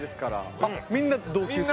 あっみんな同級生？